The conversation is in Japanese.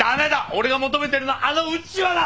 俺が求めてるのはあのウチワだ！